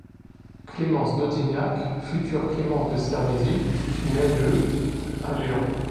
Clémence Daudignac, future Clémence de Sermézy, naît le à Lyon.